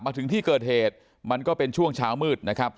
มาถึงที่เกิดเหตุมันก็เป็นช่วงเช้ามืดนะครับ